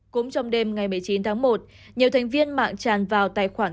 cũng trong đêm ngày một mươi chín tháng một nhiều thành viên mạng tràn vào tài khoản